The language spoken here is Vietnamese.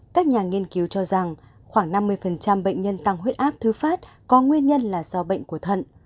các nhà nghiên cứu cho rằng khoảng năm mươi bệnh nhân tăng huyết áp thứ phát có nguyên nhân là do bệnh của thận